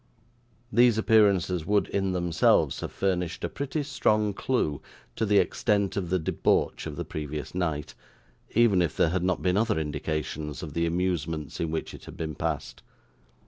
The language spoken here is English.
These appearances would in themselves have furnished a pretty strong clue to the extent of the debauch of the previous night, even if there had not been other indications of the amusements in which it had been passed.